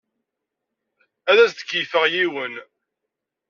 Ad as-d-keyyfeɣ yiwen.